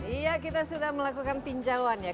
iya kita sudah melakukan tinjauan ya